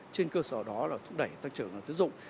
trên cơ sở đó là thúc đẩy tăng trưởng tiến dụng